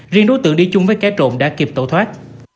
riêng đối tượng đi chung với cái trộn đã kịp tổ thoát